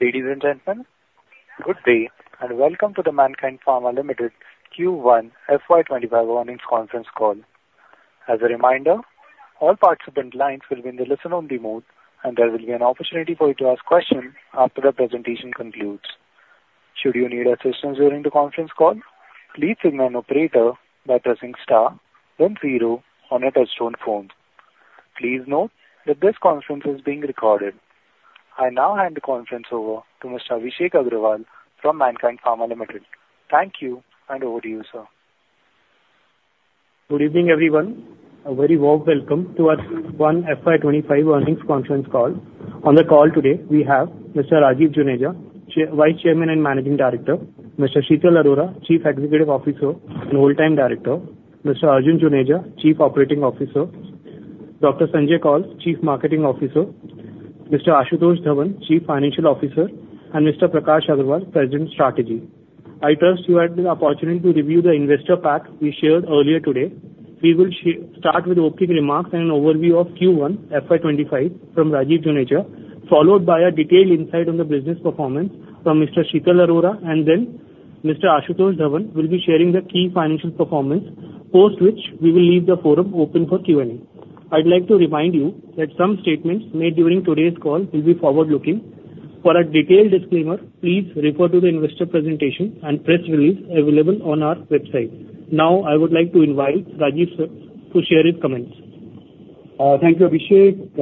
Ladies and gentlemen, good day, and welcome to the Mankind Pharma Limited Q1 FY 2025 earnings conference call. As a reminder, all participant lines will be in the listen-only mode, and there will be an opportunity for you to ask questions after the presentation concludes. Should you need assistance during the conference call, please signal an operator by pressing star one zero on your touch-tone phone. Please note that this conference is being recorded. I now hand the conference over to Mr. Abhishek Agarwal from Mankind Pharma Limited. Thank you, and over to you, sir. Good evening, everyone. A very warm welcome to our Q1 FY 2025 earnings conference call. On the call today, we have Mr. Rajeev Juneja, Vice Chairman and Managing Director, Mr. Sheetal Arora, Chief Executive Officer and Whole-time Director, Mr. Arjun Juneja, Chief Operating Officer, Dr. Sanjay Koul, Chief Marketing Officer, Mr. Ashutosh Dhawan, Chief Financial Officer, and Mr. Prakash Agarwal, President, Strategy. I trust you had the opportunity to review the investor pack we shared earlier today. We will start with opening remarks and an overview of Q1 FY 2025 from Rajeev Juneja, followed by a detailed insight on the business performance from Mr. Sheetal Arora, and then Mr. Ashutosh Dhawan will be sharing the key financial performance, post which we will leave the forum open for Q&A. I'd like to remind you that some statements made during today's call will be forward-looking. For a detailed disclaimer, please refer to the investor presentation and press release available on our website. Now, I would like to invite Rajeev, sir, to share his comments. Thank you, Abhishek,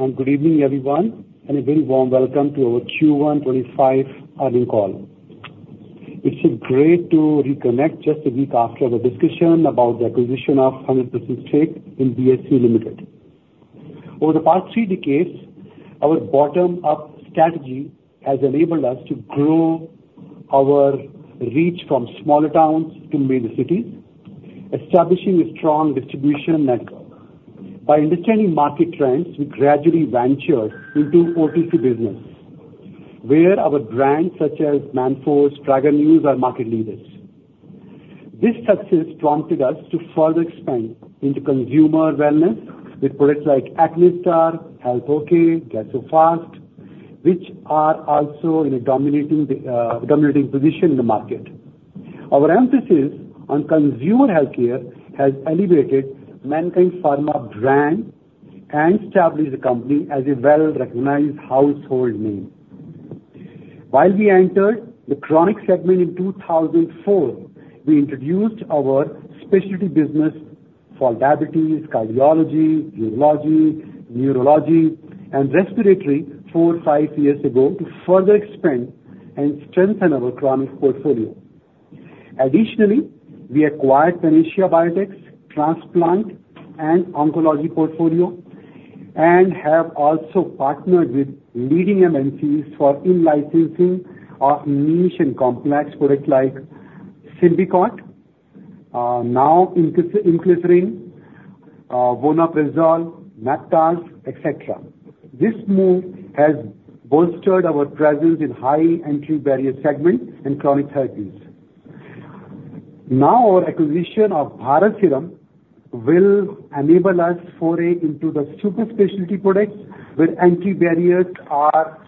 and good evening, everyone, and a very warm welcome to our Q1 25 earnings call. It's so great to reconnect just a week after our discussion about the acquisition of 100% stake in BSV Limited. Over the past three decades, our bottom-up strategy has enabled us to grow our reach from smaller towns to major cities, establishing a strong distribution network. By understanding market trends, we gradually ventured into OTC business, where our brands such as Manforce, Prega News are market leaders. This success prompted us to further expand into consumer wellness with products like AcneStar, HealthOK, Gas-O-Fast, which are also in a dominating position in the market. Our emphasis on consumer healthcare has elevated Mankind Pharma brand and established the company as a well-recognized household name. While we entered the chronic segment in 2004, we introduced our specialty business for diabetes, cardiology, urology, neurology, and respiratory 4-5 years ago to further expand and strengthen our chronic portfolio. Additionally, we acquired Panacea Biotec's transplant and oncology portfolio, and have also partnered with leading MNCs for in-licensing of niche and complex products like Symbicort, now Inclisiran, Vonoprazan, Neptaz, etc. This move has bolstered our presence in high entry barrier segment and chronic therapies. Now, our acquisition of Bharat Serums will enable us to foray into the super specialty products, where entry barriers are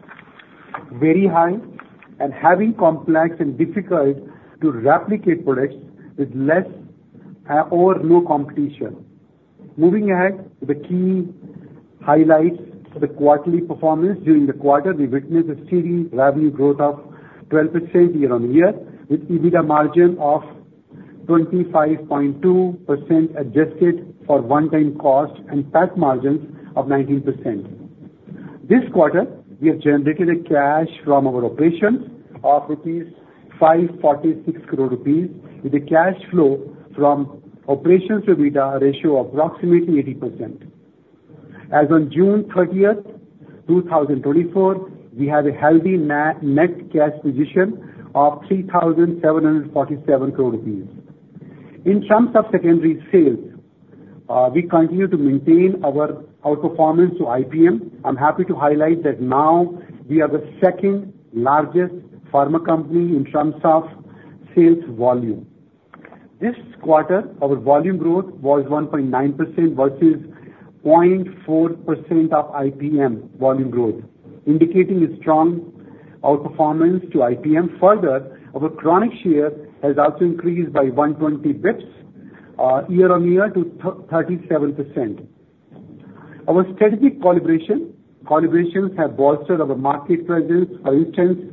very high and having complex and difficult to replicate products with less or low competition. Moving ahead, the key highlights for the quarterly performance. During the quarter, we witnessed a steady revenue growth of 12% year-on-year, with EBITDA margin of 25.2%, adjusted for one-time cost and PAT margins of 19%. This quarter, we have generated a cash from our operations of 546 crore rupees, with a cash flow from operations to EBITDA ratio of approximately 80%. As on June 30, 2024, we have a healthy net cash position of 3,747 crore rupees. In terms of secondary sales, we continue to maintain our outperformance to IPM. I'm happy to highlight that now we are the second largest pharma company in terms of sales volume. This quarter, our volume growth was 1.9% versus 0.4% of IPM volume growth, indicating a strong outperformance to IPM. Further, our chronic share has also increased by 120 basis points year-on-year to 37%. Our strategic collaborations have bolstered our market presence. For instance,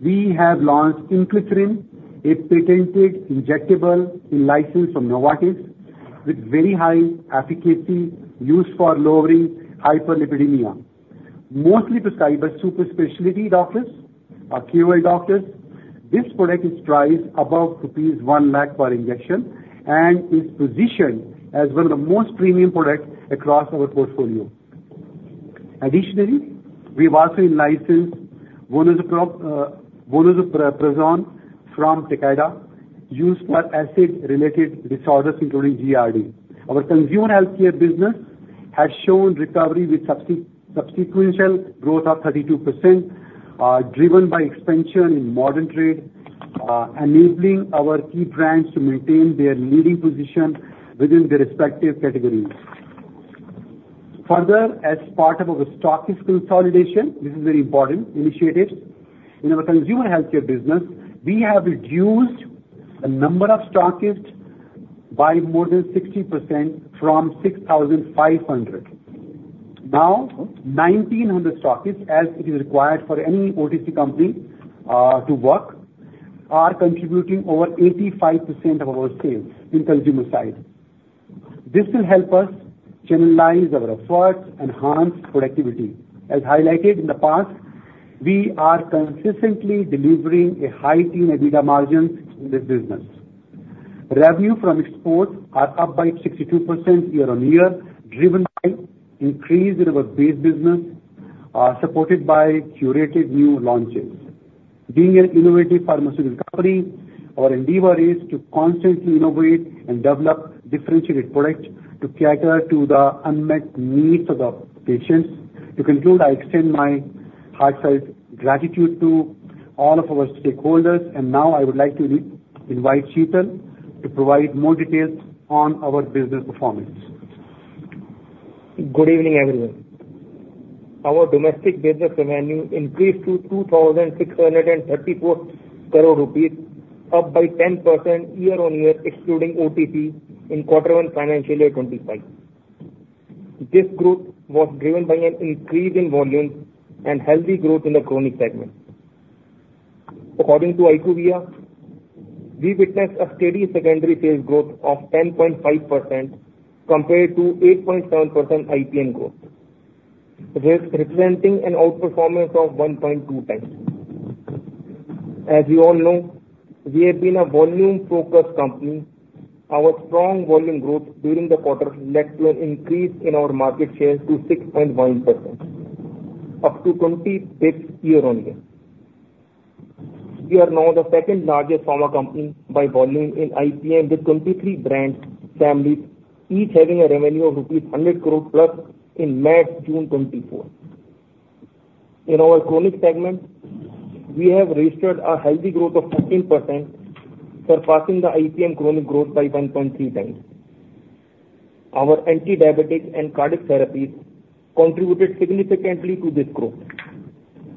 we have launched Inclisiran, a patented injectable in-licensed from Novartis, with very high efficacy used for lowering hyperlipidemia. Mostly prescribed by super specialty doctors or KOL doctors, this product is priced above rupees 1 lakh per injection and is positioned as one of the most premium products across our portfolio. Additionally, we've also in-licensed Vonoprazan from Takeda, used for acid-related disorders, including GERD. Our consumer healthcare business has shown recovery with sequential growth of 32%, driven by expansion in modern trade, enabling our key brands to maintain their leading position within their respective categories. Further, as part of our stockist consolidation, this is very important initiative. In our consumer healthcare business, we have reduced the number of stockists by more than 60% from 6,500. Now, 1,900 stockists, as it is required for any OTC company to work, are contributing over 85% of our sales in consumer side. This will help us channelize our efforts, enhance productivity. As highlighted in the past, we are consistently delivering a high team EBITDA margins in this business. Revenue from exports are up by 62% year-on-year, driven by increase in our base business, supported by curated new launches. Being an innovative pharmaceutical company, our endeavor is to constantly innovate and develop differentiated products to cater to the unmet needs of the patients. To conclude, I extend my heartfelt gratitude to all of our stakeholders, and now I would like to re-invite Sheetal to provide more details on our business performance. Good evening, everyone. Our domestic business revenue increased to INR 2,634 crore, up by 10% year-on-year, excluding OTC, in quarter one, financial year 2025. This growth was driven by an increase in volume and healthy growth in the chronic segment. According to IQVIA, we witnessed a steady secondary sales growth of 10.5% compared to 8.7% IPM growth, this representing an outperformance of 1.2 times. As you all know, we have been a volume-focused company. Our strong volume growth during the quarter led to an increase in our market share to 6.1%, up to 26 year-on-year. We are now the second-largest pharma company by volume in IPM, with 23 brand families, each having a revenue of 100 crore plus in May, June 2024. In our chronic segment, we have registered a healthy growth of 15%, surpassing the IPM chronic growth by 1.3 times. Our anti-diabetic and cardiac therapies contributed significantly to this growth,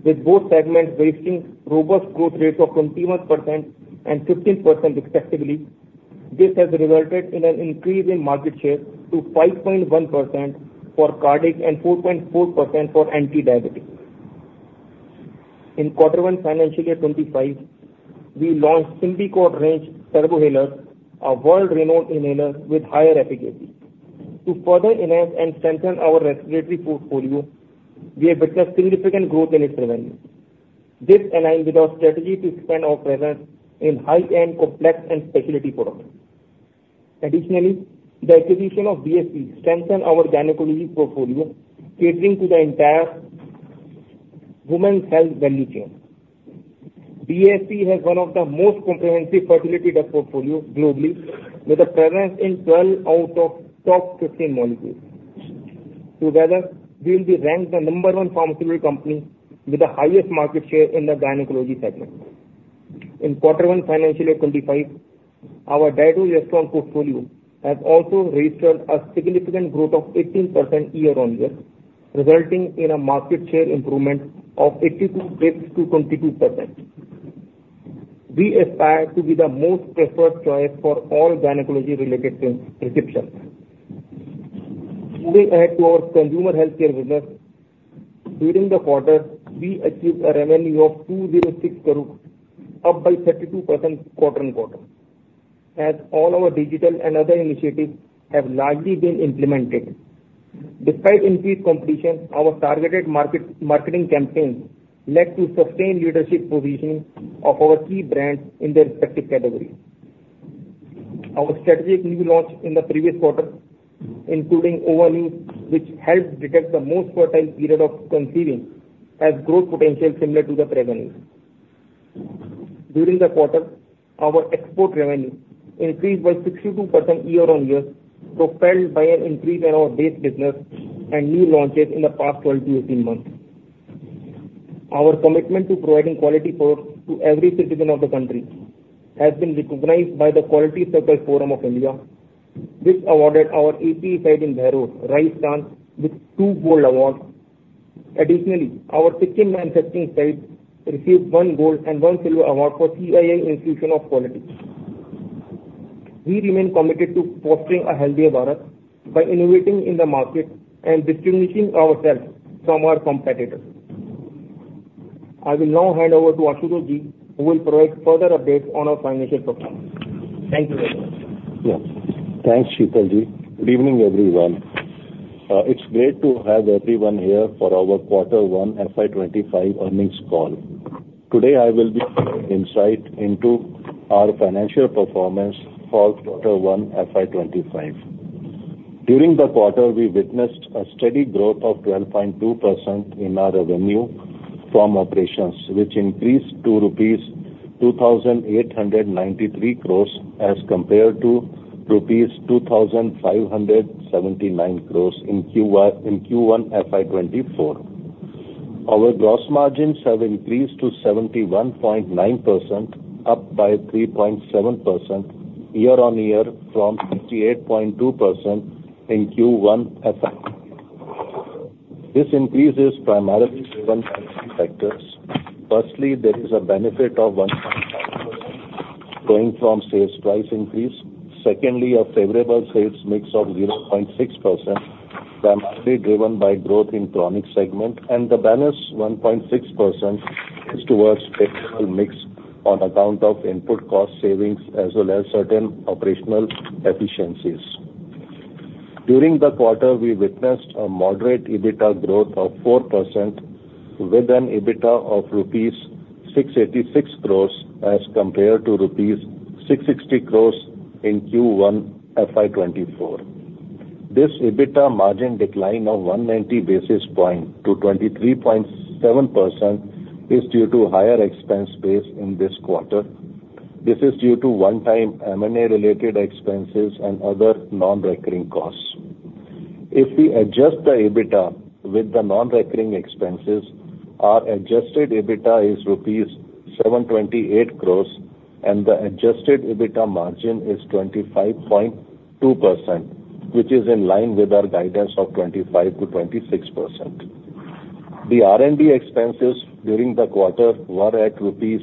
with both segments registering robust growth rates of 21% and 15% respectively. This has resulted in an increase in market share to 5.1% for cardiac and 4.4% for anti-diabetic. In quarter one, financial year 25, we launched Symbicort range Turbuhaler, a world-renowned inhaler with higher efficacy. To further enhance and strengthen our respiratory portfolio, we have witnessed significant growth in its revenue. This aligns with our strategy to expand our presence in high-end, complex, and specialty products. Additionally, the acquisition of BSV strengthen our gynecology portfolio, catering to the entire women's health value chain. BSV has one of the most comprehensive fertility drug portfolio globally, with a presence in 12 out of top 15 molecules. Together, we'll be ranked the number 1 pharmaceutical company with the highest market share in the gynecology segment. In quarter 1, financial year 2025, our Dydrogesterone portfolio has also registered a significant growth of 18% year-on-year, resulting in a market share improvement of 82 basis points to 22%. We aspire to be the most preferred choice for all gynecology-related trans- prescriptions. Moving ahead to our consumer healthcare business, during the quarter, we achieved a revenue of 206 crore, up by 32% quarter-on-quarter, as all our digital and other initiatives have largely been implemented. Despite increased competition, our targeted marketing campaign led to sustained leadership positioning of our key brands in their respective categories. Our strategic new launch in the previous quarter, including OvaNews, which helps detect the most fertile period of conceiving, has growth potential similar to the Prega News. During the quarter, our export revenue increased by 62% year-on-year, propelled by an increase in our base business and new launches in the past 12-18 months. Our commitment to providing quality products to every citizen of the country has been recognized by the Quality Circle Forum of India, which awarded our API site in Behror, Rajasthan, with two gold awards. Additionally, our second manufacturing site received one gold and one silver award for CII Institute of Quality. We remain committed to fostering a healthier Bharat by innovating in the market and distinguishing ourselves from our competitors. I will now hand over to Ashutosh Ji, who will provide further updates on our financial performance. Thank you very much. Yes. Thanks, Sheetal Ji. Good evening, everyone. It's great to have everyone here for our quarter one FY 2025 earnings call. Today, I will be giving insight into our financial performance for quarter one, FY 2025. During the quarter, we witnessed a steady growth of 12.2% in our revenue from operations, which increased to rupees 2,893 crore as compared to rupees 2,579 crore in Q1 FY 2024. Our gross margins have increased to 71.9%, up by 3.7% year-on-year from 68.2% in Q1 FY 2024. This increase is primarily driven by two factors. Firstly, there is a benefit of 1.5% going from sales price increase. Secondly, a favorable sales mix of 0.6%, primarily driven by growth in chronic segment, and the balance, 1.6%, is towards external mix on account of input cost savings as well as certain operational efficiencies. During the quarter, we witnessed a moderate EBITDA growth of 4% with an EBITDA of rupees 686 crores as compared to rupees 660 crores in Q1 FY2024. This EBITDA margin decline of 190 basis points to 23.7% is due to higher expense base in this quarter. This is due to one-time M&A related expenses and other nonrecurring costs. If we adjust the EBITDA with the nonrecurring expenses, our adjusted EBITDA is rupees 728 crores, and the adjusted EBITDA margin is 25.2%, which is in line with our guidance of 25%-26%. The R&D expenses during the quarter were at rupees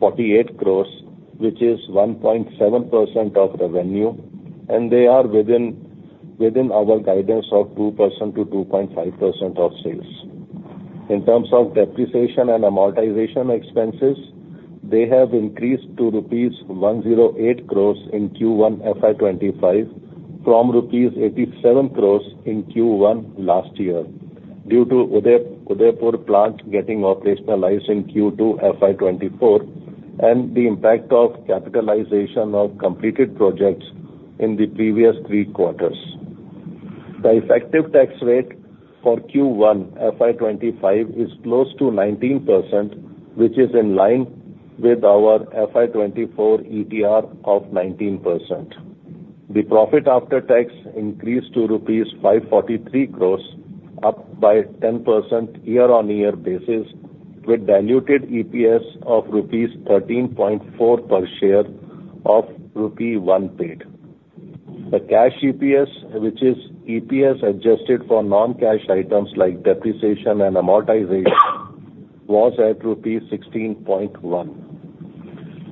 48 crore, which is 1.7% of revenue, and they are within our guidance of 2%-2.5% of sales. In terms of depreciation and amortization expenses, they have increased to rupees 108 crore in Q1 FY 2025, from rupees 87 crore in Q1 last year, due to Udaipur plant getting operationalized in Q2 FY 2024, and the impact of capitalization of completed projects in the previous three quarters. The effective tax rate for Q1 FY 2025 is close to 19%, which is in line with our FY 2024 ETR of 19%. The profit after tax increased to rupees 543 crore, up by 10% year-on-year basis, with diluted EPS of rupees 13.4 per share of rupee one paid. The cash EPS, which is EPS adjusted for non-cash items like depreciation and amortization, was at rupees 16.1.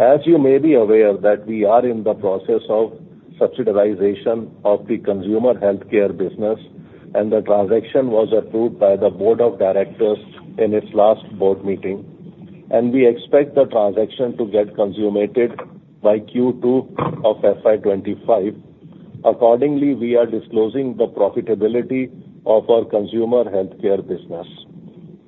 As you may be aware that we are in the process of separation of the Consumer Healthcare business, and the transaction was approved by the board of directors in its last board meeting, and we expect the transaction to get consummated by Q2 of FY 2025. Accordingly, we are disclosing the profitability of our Consumer Healthcare business.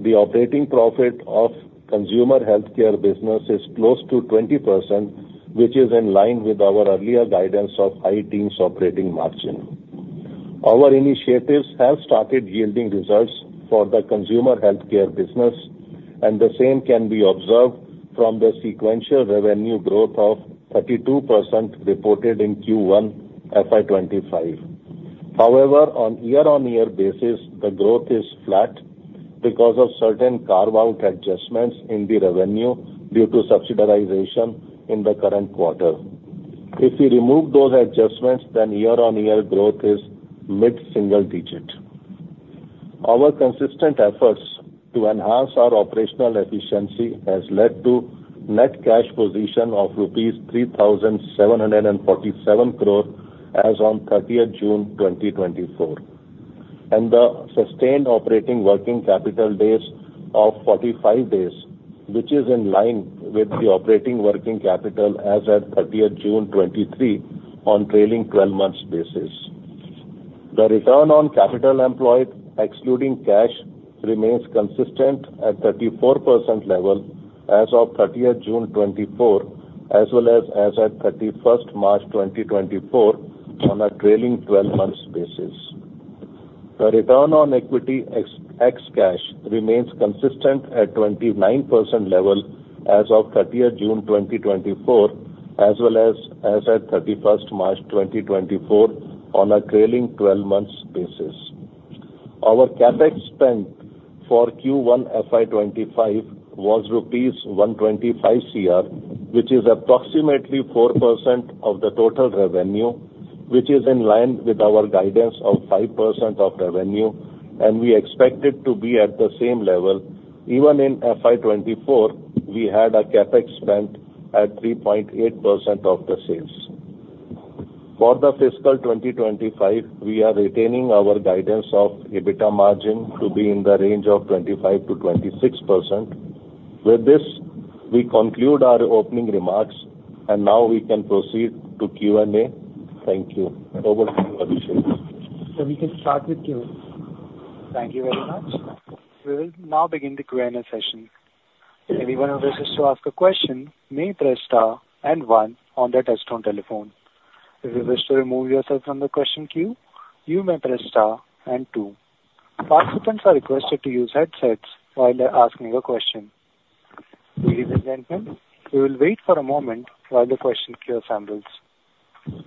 The operating profit of Consumer Healthcare business is close to 20%, which is in line with our earlier guidance of high teens operating margin. Our initiatives have started yielding results for the Consumer Healthcare business, and the same can be observed from the sequential revenue growth of 32% reported in Q1 FY 2025. However, on year-on-year basis, the growth is flat because of certain carve-out adjustments in the revenue due to subsidization in the current quarter. If you remove those adjustments, then year-on-year growth is mid-single digit. Our consistent efforts to enhance our operational efficiency has led to net cash position of rupees 3,747 crore as on thirtieth June 2024. The sustained operating working capital days of 45 days, which is in line with the operating working capital as at thirtieth June 2023 on trailing twelve months basis. The return on capital employed, excluding cash, remains consistent at 34% level as of thirtieth June 2024, as well as as at 31st March 2024, on a trailing twelve months basis. The return on equity ex-cash remains consistent at 29% level as of 30th June 2024, as well as at 31st March 2024, on a trailing twelve months basis. Our CapEx spend for Q1 FY 2025 was 125 crore, which is approximately 4% of the total revenue, which is in line with our guidance of 5% of revenue, and we expect it to be at the same level. Even in FY 2024, we had a CapEx spend at 3.8% of the sales. For the fiscal 2025, we are retaining our guidance of EBITDA margin to be in the range of 25%-26%. With this, we conclude our opening remarks, and now we can proceed to Q&A. Thank you. Over to you, Abhishek. We can start with Q&A. Thank you very much. We will now begin the Q&A session. If anyone wishes to ask a question, they may press star and one on their touch-tone telephone. If you wish to remove yourself from the question queue, you may press star and two. Participants are requested to use headsets while they're asking a question. Without further ado, gentlemen, we will wait for a moment while the question queue assembles. The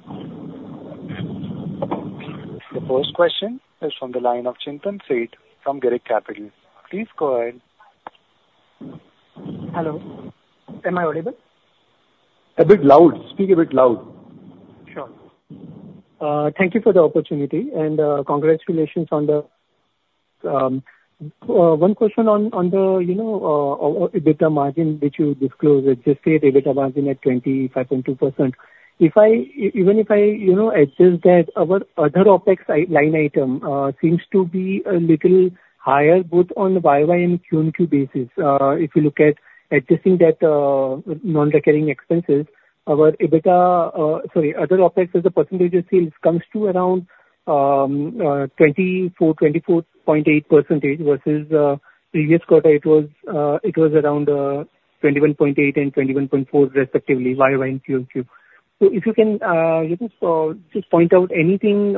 first question is from the line of Chintan Sheth from Girik Capital. Please go ahead. Hello, am I audible? A bit loud. Speak a bit loud. Sure. Thank you for the opportunity, and, congratulations on the... One question on, on the, you know, oh, EBITDA margin, which you disclosed, adjusted EBITDA margin at 25.2%. If even if I, you know, adjust that, our other OpEx line item seems to be a little higher, both on YY and QMQ basis. If you look at adjusting that non-recurring expenses, our EBITDA, sorry, other OpEx as a percentage of sales comes to around 24.8% versus previous quarter it was, it was around 21.8% and 21.4%, respectively, YY and QMQ. So if you can just point out anything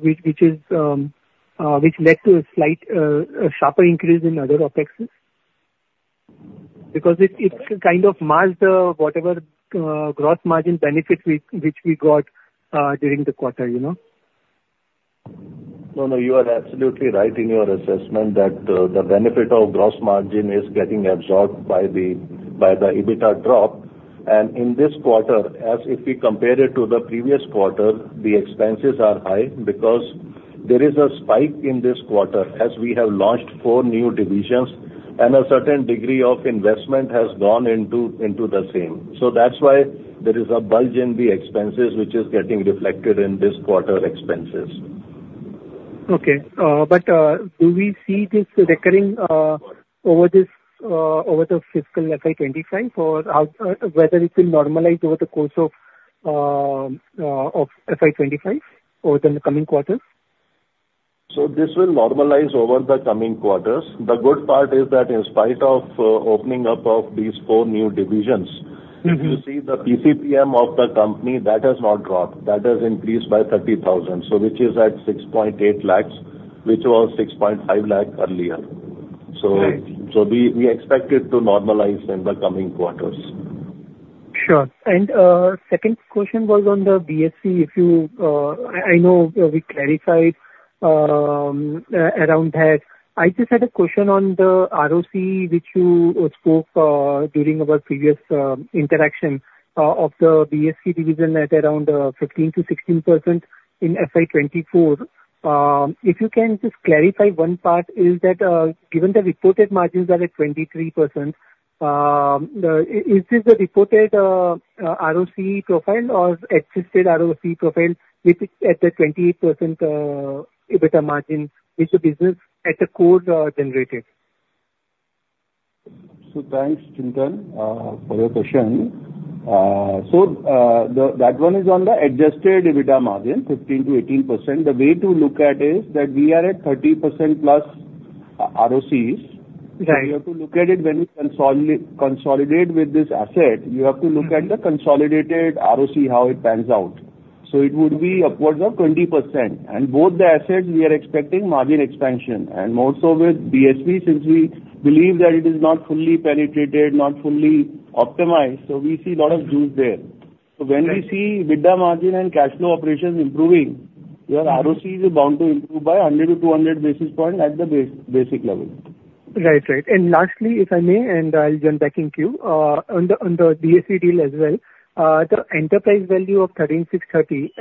which is which led to a slight sharper increase in other OpExes. Because it kind of marked whatever gross margin benefits which we got during the quarter, you know? No, no, you are absolutely right in your assessment that, the benefit of gross margin is getting absorbed by the, by the EBITDA drop. And in this quarter, as if we compare it to the previous quarter, the expenses are high because there is a spike in this quarter as we have launched four new divisions, and a certain degree of investment has gone into, into the same. So that's why there is a bulge in the expenses, which is getting reflected in this quarter expenses. Okay. But do we see this recurring over this over the fiscal FY 2025, or how whether it will normalize over the course of of FY 2025 or within the coming quarters? So this will normalize over the coming quarters. The good part is that in spite of opening up of these four new divisions- Mm-hmm. If you see the PCPM of the company, that has not dropped, that has increased by 30,000. So which is at 6.8 lakhs, which was 6.5 lakh earlier. Right. So, we expect it to normalize in the coming quarters. Sure. And second question was on the BSV, if you... I know we clarified around that. I just had a question on the ROCE, which you spoke during our previous interaction of the BSV division at around 15%-16% in FY 2024. If you can just clarify one part, is that given the reported margins are at 23%, is this the reported ROCE profile or assisted ROCE profile, if it's at the 20% EBITDA margin, which the business at the core generated? Thanks, Chintan, for your question. That one is on the adjusted EBITDA margin, 15%-18%. The way to look at it is that we are at 30%+ ROCE. Right. You have to look at it when we consolidate with this asset, you have to look at the consolidated ROCE, how it pans out. So it would be upwards of 20%. And both the assets, we are expecting margin expansion, and more so with BSV, since we believe that it is not fully penetrated, not fully optimized, so we see a lot of juice there. Right. So when we see EBITDA margin and cash flow operations improving, your ROCs are bound to improve by 100-200 basis points at the basic level. Right. Right. And lastly, if I may, and I'll jump back in queue. On the BSV deal as well, the enterprise value of 13,630,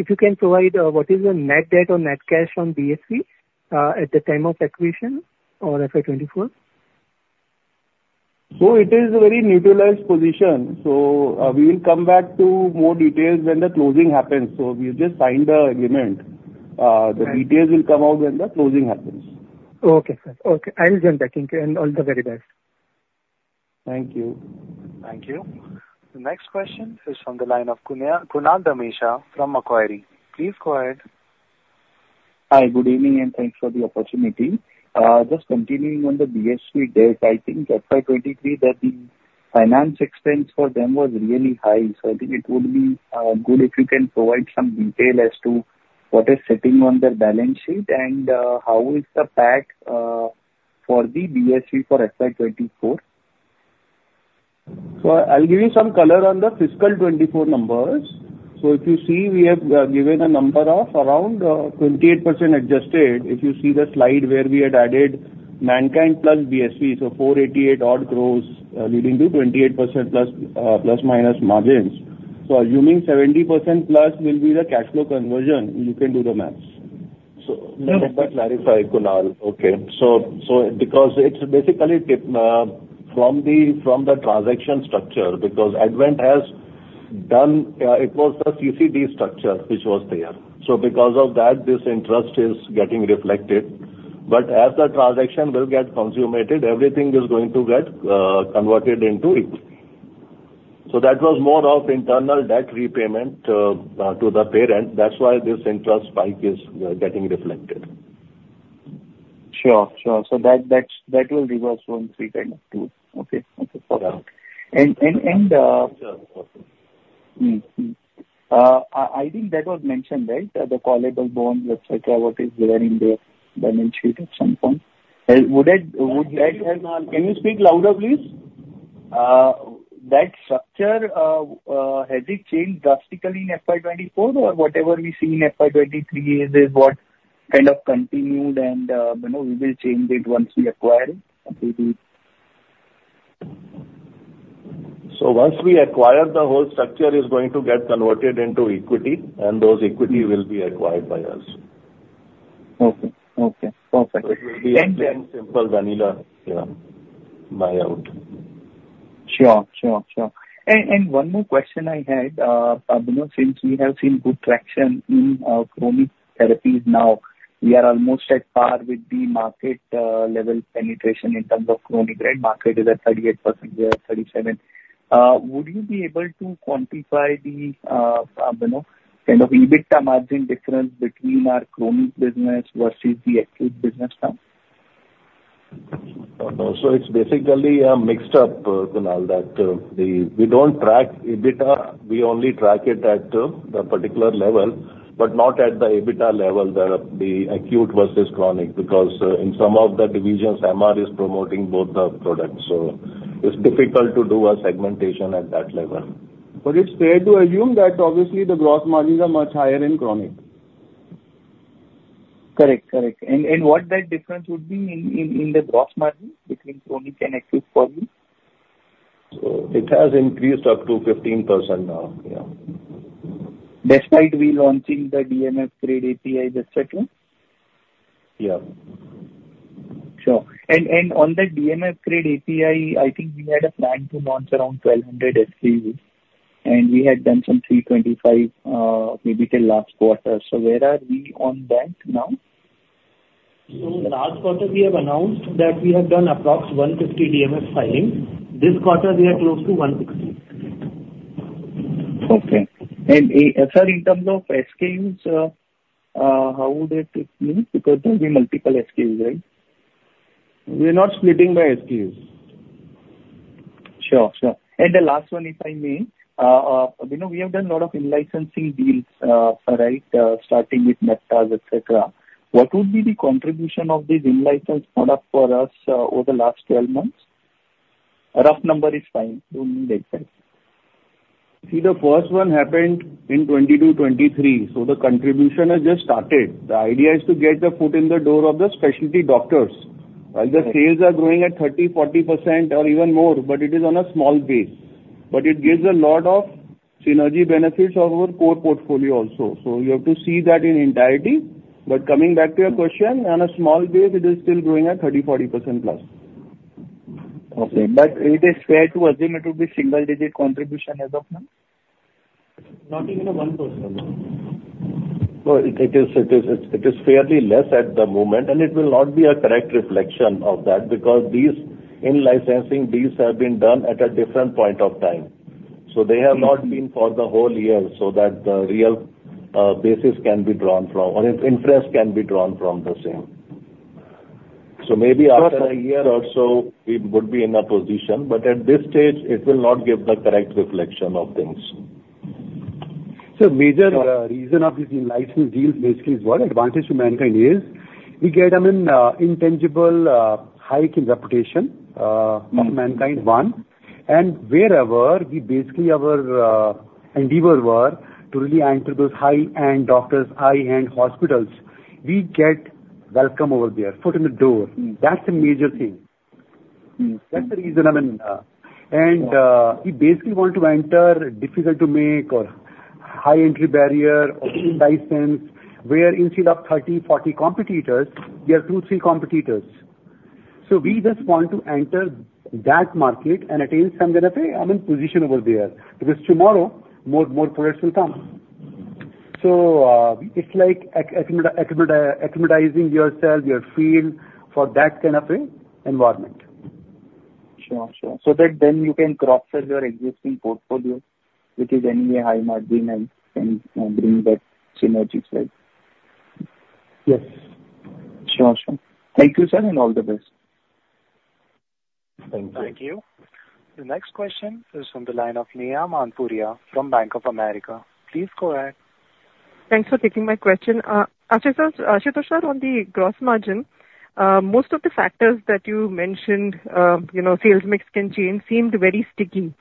if you can provide what is the net debt or net cash from BSV at the time of acquisition or FY 2024? So it is a very neutralized position, so, we will come back to more details when the closing happens. So we've just signed the agreement. Right. The details will come out when the closing happens. Okay, sir. Okay, I will jump back in queue, and all the very best. Thank you. Thank you. The next question is from the line of Kunal Dhamesha from Macquarie. Please go ahead. Hi, good evening, and thanks for the opportunity. Just continuing on the BSV debt, I think FY 2023, that the finance expense for them was really high. So I think it would be good if you can provide some detail as to what is sitting on their balance sheet and how is the CapEx for the BSV for FY 2024? So I'll give you some color on the fiscal 2024 numbers. So if you see, we have given a number of around 28% adjusted. If you see the slide where we had added Mankind plus BSV, so 488 odd crores, leading to 28% ± margins. So assuming 70%+ will be the cash flow conversion, you can do the math. So- Let me clarify, Kunal. Okay. So because it's basically from the transaction structure, because Advent has done it was the CCD structure which was there. So because of that, this interest is getting reflected, but as the transaction will get consummated, everything is going to get converted into it. So that was more of internal debt repayment to the parent. That's why this interest spike is getting reflected. Sure. Sure. So that, that's, that will reverse from 3 kind of 2. Okay. Okay, got it. Yeah. I think that was mentioned, right? That the callable bonds, et cetera, what is there in the balance sheet at some point. Would that have- Can you speak louder, please?... That structure has it changed drastically in FY 2024, or whatever we see in FY 2023 is what kind of continued and, you know, we will change it once we acquire it completely? Once we acquire, the whole structure is going to get converted into equity, and those equity will be acquired by us. Okay. Okay, perfect. It will be a plain, simple vanilla, yeah, buyout. Sure, sure, sure. And, and one more question I had, you know, since we have seen good traction in, chronic therapies now, we are almost at par with the market, level penetration in terms of chronic, right? Market is at 38%, we are at 37. Would you be able to quantify the, you know, kind of EBITDA margin difference between our chronic business versus the acute business now? Oh, no. So it's basically a mixed up, Kunal, We don't track EBITDA. We only track it at the particular level, but not at the EBITDA level, the acute versus chronic, because in some of the divisions, MR is promoting both the products, so it's difficult to do a segmentation at that level. It's fair to assume that obviously the gross margins are much higher in chronic. Correct. Correct. And what that difference would be in the gross margin between chronic and acute for me? It has increased up to 15% now, yeah. Despite we launching the DMF grade API, et cetera? Yeah. Sure. And on the DMF grade API, I think we had a plan to launch around 1,200 SKUs, and we had done some 325, maybe till last quarter. So where are we on that now? Last quarter we have announced that we have done approx 150 DMF filings. This quarter we are close to 160. Okay. Sir, in terms of SKUs, how would it move? Because there will be multiple SKUs, right? We are not splitting by SKUs. Sure, sure. And the last one, if I may, you know, we have done a lot of in-licensing deals, right, starting with Neptaz, et cetera. What would be the contribution of these in-license products for us, over the last twelve months? A rough number is fine, don't need exact. See, the first one happened in 2020 to 2023, so the contribution has just started. The idea is to get the foot in the door of the specialty doctors. The sales are growing at 30%-40% or even more, but it is on a small base. But it gives a lot of synergy benefits of our core portfolio also, so you have to see that in entirety. But coming back to your question, on a small base, it is still growing at 30%-40% plus. Okay, but it is fair to assume it will be single digit contribution as of now? Not even a 1%. Well, it is fairly less at the moment, and it will not be a correct reflection of that, because these in-licensing deals have been done at a different point of time. So they have not been for the whole year, so that the real basis can be drawn from or inference can be drawn from the same. So maybe after a year or so, it would be in a position, but at this stage it will not give the correct reflection of things. So major reason of these in-license deals basically is what advantage to Mankind is, we get, I mean, intangible hike in reputation. Mm-hmm. of Mankind, one, and wherever we basically our endeavor were to really enter those high-end doctors, high-end hospitals, we get welcome over there, foot in the door. Mm. That's a major thing. Mm-hmm. That's the reason, I mean, And, we basically want to enter difficult to make or high entry barrier or in-license, where instead of 30, 40 competitors, we have 2, 3 competitors. So we just want to enter that market and attain some kind of a, I mean, position over there, because tomorrow, more, more products will come. Mm-hmm. It's like acclimatizing yourself, your field, for that kind of an environment. Sure, sure. So that then you can cross-sell your existing portfolio, which is anyway high margin and can bring that synergies, right? Yes. Sure, sure. Thank you, sir, and all the best. Thank you. Thank you. The next question is from the line of Neha Manpuria from Bank of America. Please go ahead. Thanks for taking my question. Actually, sir, Ashutosh sir, on the gross margin, most of the factors that you mentioned, you know, sales mix can change, seemed very sticky. But,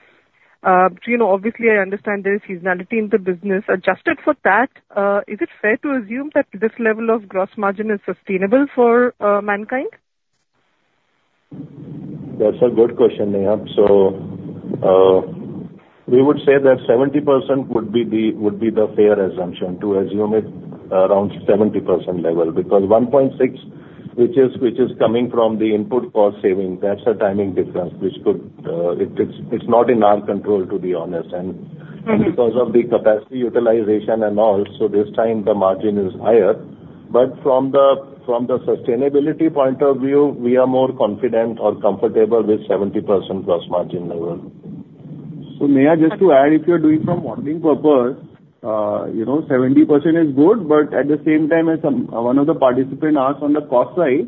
you know, obviously, I understand there is seasonality in the business. Adjusted for that, is it fair to assume that this level of gross margin is sustainable for Mankind? That's a good question, Neha. So, we would say that 70% would be the, would be the fair assumption, to assume it around 70% level, because 1.6, which is, which is coming from the input cost savings, that's a timing difference, which could... It, it's, it's not in our control, to be honest. Mm-hmm. Because of the capacity utilization and all, so this time the margin is higher. But from the sustainability point of view, we are more confident or comfortable with 70% gross margin level. So Neha, just to add, if you're doing some modeling purpose, you know, 70% is good, but at the same time, as one of the participants asked on the cost side,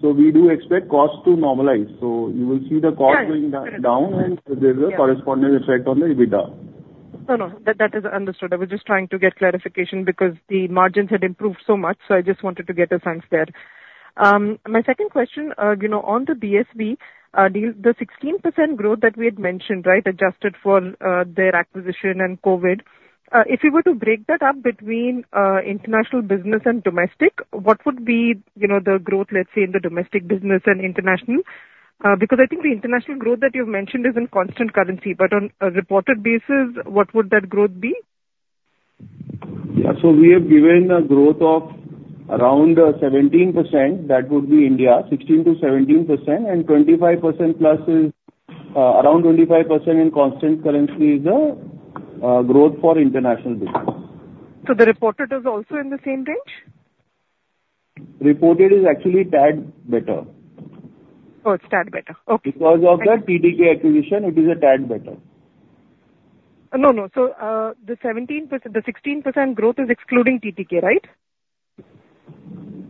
so we do expect costs to normalize. So you will see the cost- Yes. going down, and there's a corresponding effect on the EBITDA. ...No, no, that, that is understood. I was just trying to get clarification because the margins had improved so much, so I just wanted to get a sense there. My second question, you know, on the BSV deal, the 16% growth that we had mentioned, right? Adjusted for their acquisition and COVID, if you were to break that up between international business and domestic, what would be, you know, the growth, let's say, in the domestic business and international? Because I think the international growth that you've mentioned is in constant currency, but on a reported basis, what would that growth be? Yeah. So we have given a growth of around 17%, that would be India, 16%-17%, and 25%+ is around 25% in constant currency is the growth for international business. The reported is also in the same range? Reported is actually a tad better. Oh, it's a tad better. Okay. Because of the TTK acquisition, it is a tad better. No, no. So, the 17% - the 16% growth is excluding TTK, right?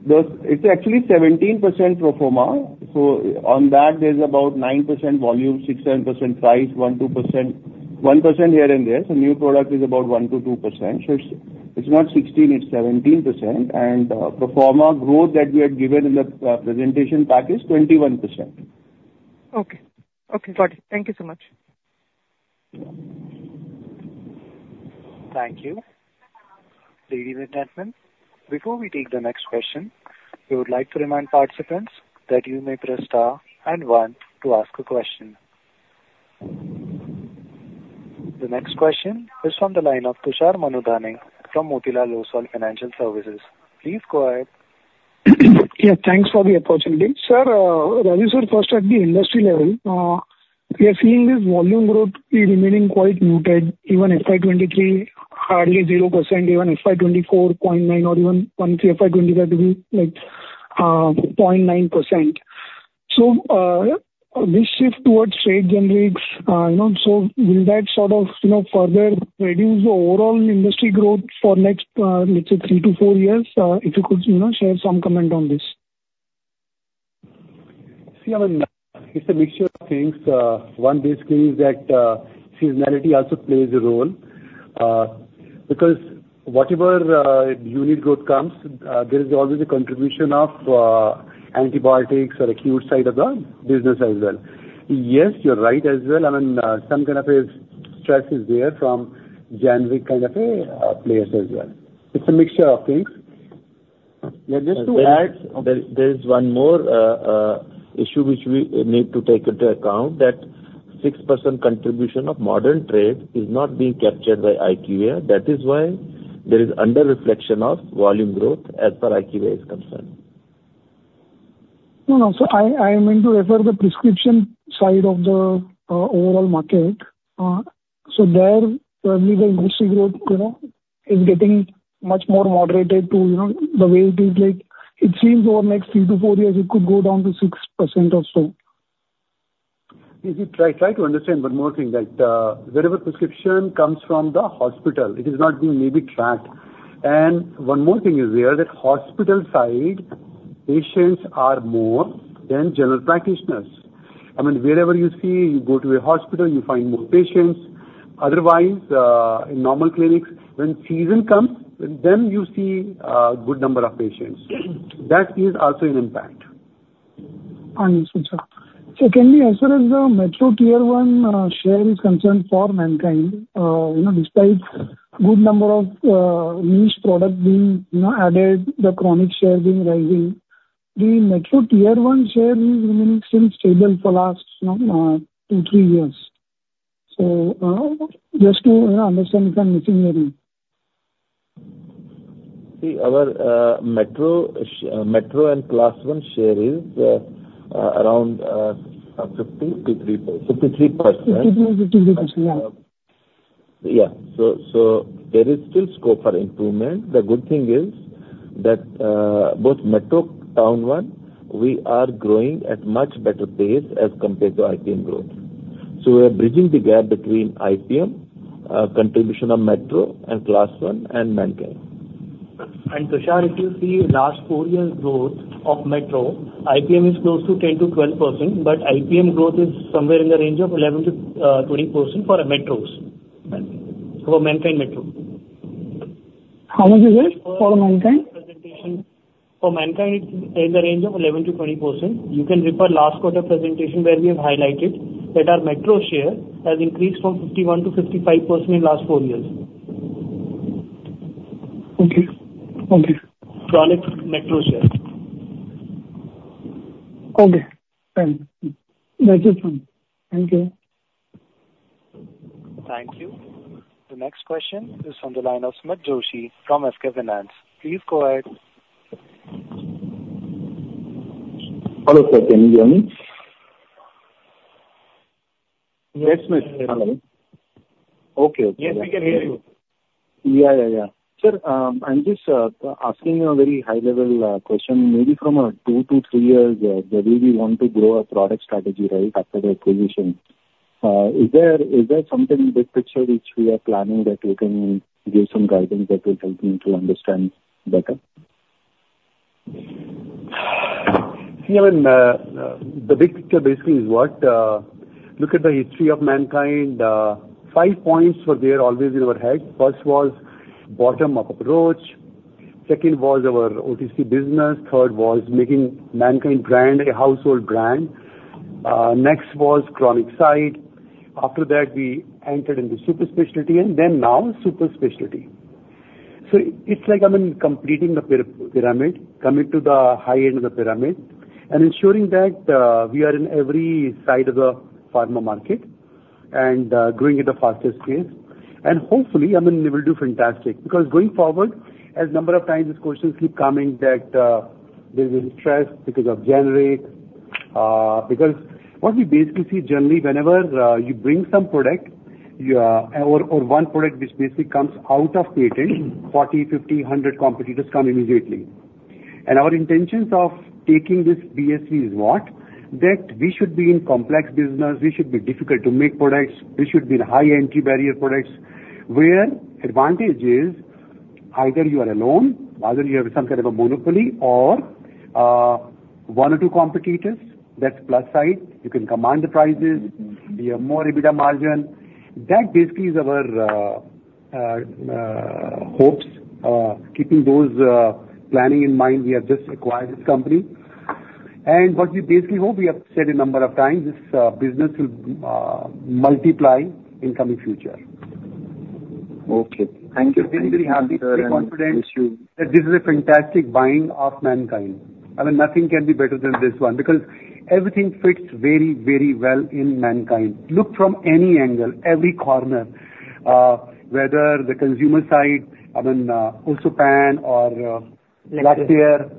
It's actually 17% pro forma. So on that, there's about 9% volume, 6%-7% price, 1%-2%... 1% here and there. So new product is about 1%-2%. So it's, it's not 16, it's 17%. And, pro forma growth that we had given in the, presentation pack is 21%. Okay. Okay, got it. Thank you so much. Thank you. Ladies and gentlemen, before we take the next question, we would like to remind participants that you may press star and 1 to ask a question. The next question is from the line of Tushar Manudhane from Motilal Oswal Financial Services. Please go ahead. Yeah, thanks for the opportunity. Sir, rather so first at the industry level, we are seeing this volume growth is remaining quite muted. Even FY 23, hardly 0%, even FY 24, 0.9%, or even FY 25 to be, like, 0.9%. So, this shift towards trade generics, you know, so will that sort of, you know, further reduce the overall industry growth for next, let's say, 3-4 years? If you could, you know, share some comment on this. See, I mean, it's a mixture of things. One basically is that, seasonality also plays a role, because whatever unit growth comes, there is always a contribution of antibiotics or acute side of the business as well. Yes, you're right as well. I mean, some kind of a stress is there from generic kind of a players as well. It's a mixture of things. Yeah, just to add- There is one more issue which we need to take into account, that 6% contribution of Modern Trade is not being captured by IQVIA. That is why there is under-reflection of volume growth as per IQVIA is concerned. No, no. So I, I meant to refer the prescription side of the overall market. So there, we see growth, you know, is getting much more moderated to, you know, the way it is. Like, it seems over the next 3-4 years, it could go down to 6% or so. If you try, try to understand one more thing, that wherever prescription comes from the hospital, it is not being maybe tracked. And one more thing is there, that hospital side, patients are more than general practitioners. I mean, wherever you see, you go to a hospital, you find more patients. Otherwise, in normal clinics, when season comes, then you see good number of patients. That is also an impact. Understood, sir. So can we, as far as the metro tier one share is concerned for Mankind, you know, despite good number of niche product being, you know, added, the chronic share being rising, the metro tier one share is remaining stable for last two, three years. So, just to, you know, understand if I'm missing maybe. See, our metro and Class One share is around 53%. Fifty-three percent. 53, 53%, yeah. Yeah. So there is still scope for improvement. The good thing is that both metro town one, we are growing at much better pace as compared to IPM growth. So we are bridging the gap between IPM contribution of metro and Class One and Mankind. Tushar, if you see last four years growth of metro, IPM is close to 10%-12%, but IPM growth is somewhere in the range of 11%-20% for metros, for Mankind metro. How much is it for Mankind? Presentation. For Mankind, it's in the range of 11%-20%. You can refer last quarter presentation, where we have highlighted that our metro share has increased from 51%-55% in last four years. Okay. Thank you. Products metro share. Okay. Thank you. That is fine. Thank you. Thank you. The next question is on the line of Sumit Joshi from SK Finance. Please go ahead. Hello, sir, can you hear me? Yes, Sumit. Hello. Okay. Yes, we can hear you. Yeah, yeah, yeah. Sir, I'm just asking a very high-level question. Maybe from a two to three years, where we want to grow our product strategy right after the acquisition. Is there, is there something in the picture which we are planning that you can give some guidance that will help me to understand better? See, I mean, the big picture basically is what, look at the history of Mankind, five points were there always in our head. First was bottom-up approach, second was our OTC business, third was making Mankind brand a household brand. Next was chronic side. After that, we entered into super specialty, and then now super specialty. So it's like, I mean, completing the pyramid, coming to the high end of the pyramid, and ensuring that, we are in every side of the pharma market and, growing at the fastest pace. And hopefully, I mean, we will do fantastic, because going forward, as number of times these questions keep coming that, there is stress because of generic rate. Because what we basically see generally, whenever you bring some product, or one product which basically comes out of patent, 40, 50, 100 competitors come immediately. And our intentions of taking this BSV is what? That we should be in complex business, we should be difficult to make products, we should be in high entry barrier products, where advantage is either you are alone, either you have some kind of a monopoly or one or two competitors, that's plus side. You can command the prices. We have more EBITDA margin. That basically is our hopes. Keeping those planning in mind, we have just acquired this company. And what we basically hope, we have said a number of times, this business will multiply in coming future. Okay. Thank you. We are very, very happy and confident that this is a fantastic buying of Mankind. I mean, nothing can be better than this one, because everything fits very, very well in Mankind. Look from any angle, every corner, whether the consumer side, I mean, Ossopan or Lactare,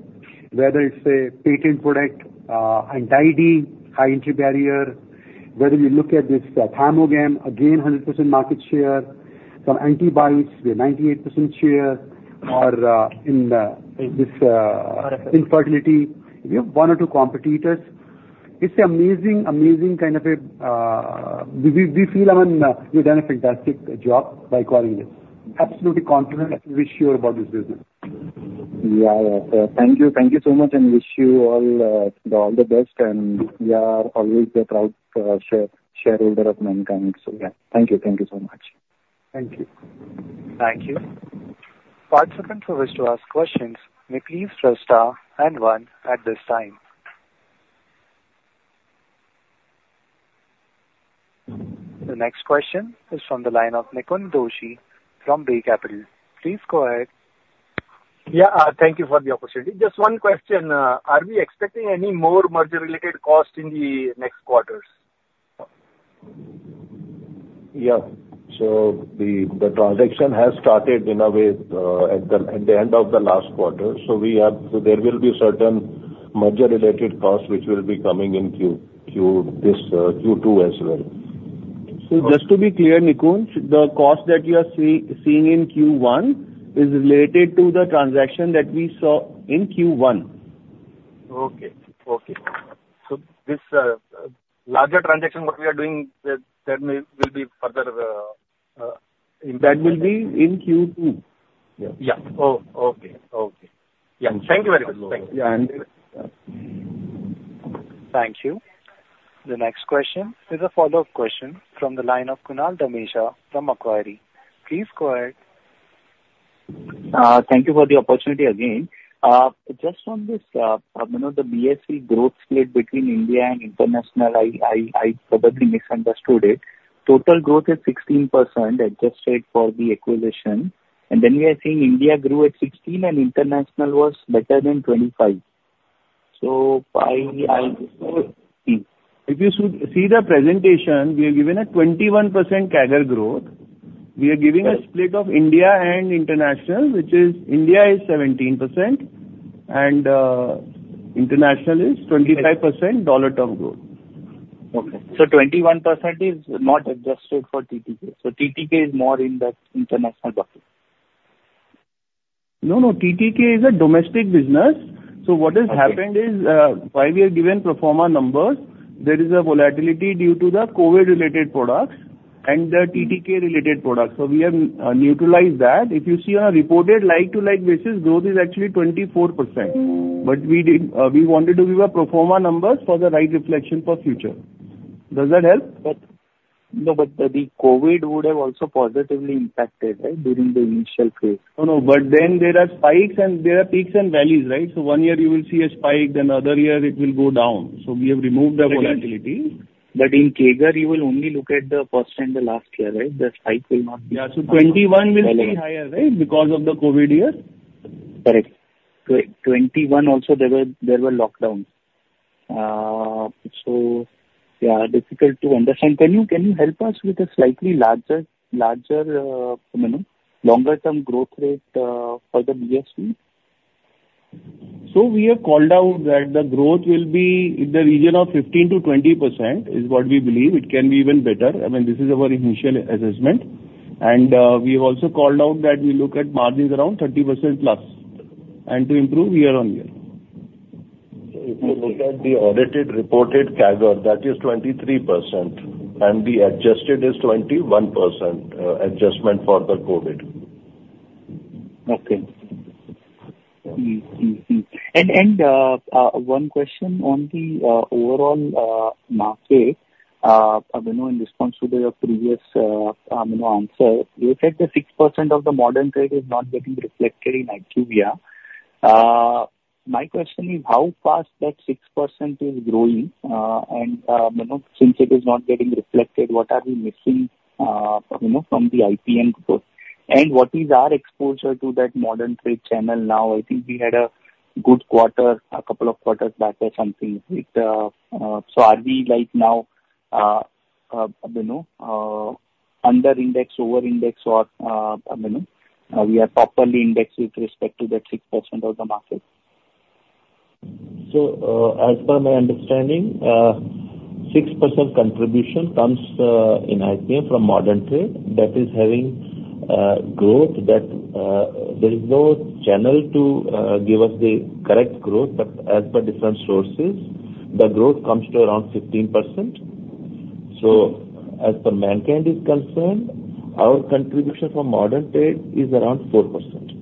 whether it's a patent product, Anti-D, high entry barrier, whether we look at this, Thymogam, again, 100% market share. From antibiotics, we have 98% share, or in this infertility, we have one or two competitors. It's an amazing, amazing kind of a... We feel, I mean, we've done a fantastic job by acquiring this. Absolutely confident and we're sure about this business. Yeah. Thank you. Thank you so much, and wish you all all the best, and we are always a proud shareholder of Mankind. So, yeah, thank you. Thank you so much. Thank you. Thank you. Participants who wish to ask questions, please press star and one at this time. The next question is from the line of Nikunj Doshi from Bay Capital. Please go ahead. Yeah, thank you for the opportunity. Just one question, are we expecting any more merger-related costs in the next quarters? Yeah. So the transaction has started in a way, at the end of the last quarter. So we have, so there will be certain merger-related costs, which will be coming in Q2 as well. So just to be clear, Nikunj, the cost that you are seeing in Q1 is related to the transaction that we saw in Q1. Okay. Okay. So this, larger transaction what we are doing, that, that will, will be further, That will be in Q2. Yeah. Yeah. Oh, okay. Okay. Yeah. Thank you very much. Yeah, and- Thank you. The next question is a follow-up question from the line of Kunal Dhamesha from Macquarie. Please go ahead. Thank you for the opportunity again. Just on this, you know, the BSV growth split between India and international, I probably misunderstood it. Total growth is 16% adjusted for the acquisition, and then we are seeing India grew at 16% and international was better than 25%. So by I- If you see the presentation, we have given a 21% CAGR growth. We are giving a split of India and international, which is India is 17%, and international is 25% dollar term growth. Okay. 21% is not adjusted for TTK. TTK is more in the international bucket. No, no, TTK is a domestic business. Okay. So what has happened is, while we are giving pro forma numbers, there is a volatility due to the COVID-related products and the TTK-related products. So we have neutralized that. If you see on a reported like-to-like basis, growth is actually 24%. But we wanted to give pro forma numbers for the right reflection for future. Does that help? But, no, but the COVID would have also positively impacted, right, during the initial phase? No, no, but then there are spikes, and there are peaks and valleys, right? So one year you will see a spike, then other year it will go down. So we have removed the volatility. But in CAGR, you will only look at the first and the last year, right? The spike will not be- Yeah, so 21 will be higher, right, because of the COVID year? Correct. 2021 also there were lockdowns. So yeah, difficult to understand. Can you help us with a slightly larger, you know, longer term growth rate for the BSV? So we have called out that the growth will be in the region of 15%-20%, is what we believe. It can be even better. I mean, this is our initial assessment. And we have also called out that we look at margins around 30%+, and to improve year-on-year. If you look at the audited reported CAGR, that is 23%, and the adjusted is 21%, adjustment for the COVID. Okay. Mm-hmm, mm-hmm. One question on the overall market. You know, in response to your previous, you know, answer, you said that 6% of the modern trade is not getting reflected in IQVIA. My question is, how fast that 6% is growing? And, you know, since it is not getting reflected, what are we missing, you know, from the IPM growth? And what is our exposure to that modern trade channel now? I think we had a good quarter, a couple of quarters back or something with... So are we, like, now, you know, under index, over index, or, you know, we are properly indexed with respect to that 6% of the market? So, as per my understanding, 6% contribution comes in IPM from modern trade. That is having growth that there is no channel to give us the correct growth. But as per different sources, the growth comes to around 15%. So as per Mankind is concerned, our contribution from modern trade is around 4%.